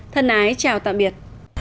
thân ái chào tạm biệt